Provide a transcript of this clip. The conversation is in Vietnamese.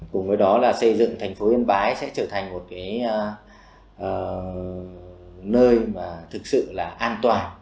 cùng với đó là xây dựng thành phố yên bản